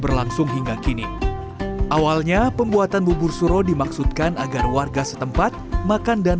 berlangsung hingga kini awalnya pembuatan bubur suro dimaksudkan agar warga setempat makan dan